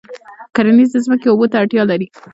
کرنیزې ځمکې اوبو ته اړتیا لري.